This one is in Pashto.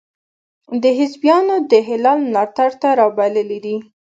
ده حزبیان د هلال ملاتړ ته را بللي دي.